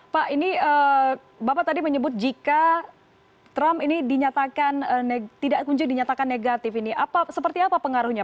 pak ini bapak tadi menyebut jika trump ini tidak kunjung dinyatakan negatif ini seperti apa pengaruhnya